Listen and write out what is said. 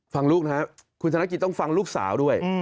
ฟังลูกนะครับคุณธนกิจต้องฟังลูกสาวด้วย